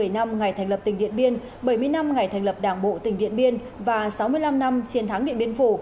một trăm một mươi năm ngày thành lập tỉnh điện biên bảy mươi năm ngày thành lập đảng bộ tỉnh điện biên và sáu mươi năm năm chiến thắng điện biên phủ